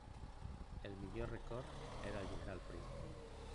El millor record era el general Prim.